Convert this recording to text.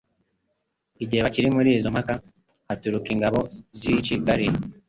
Igihe bakiri muli izo mpaka haturuka ingabo z'i Kigali,